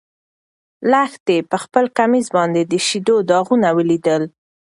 لښتې په خپل کمیس باندې د شيدو داغونه ولیدل.